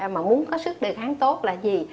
mà muốn có sức đề kháng tốt là gì